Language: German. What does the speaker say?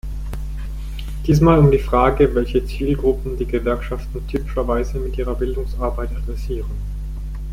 Diesmal um die Frage, welche Zielgruppen die Gewerkschaften typischerweise mit ihrer Bildungsarbeit adressieren.